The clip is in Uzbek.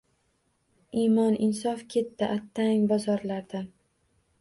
Imon, insof ketdi, attang, bozorlardan